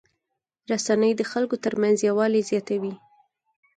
رسنۍ د خلکو ترمنځ یووالی زیاتوي.